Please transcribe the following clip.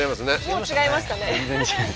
もう違いましたね